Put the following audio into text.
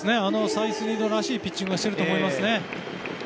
サイスニードらしいピッチングをしていると思いますね。